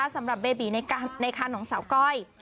สำหรับเบบีในคันของสาวก้อย